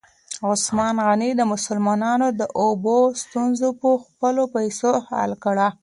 عثمان غني د مسلمانانو د اوبو ستونزه په خپلو پیسو حل کړه.